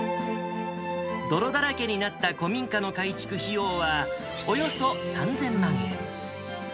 泥だらけになった古民家の改築費用は、およそ３０００万円。